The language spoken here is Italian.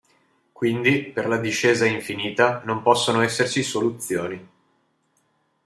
Quindi per la discesa infinita non possono esserci soluzioni.